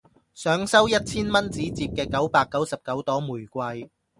想收一千蚊紙摺嘅九百九十九朵玫瑰